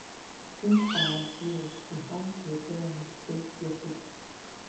Шәымш аабзиаз, — иҳәан, дҩагыланы дцеит Иақәыԥ.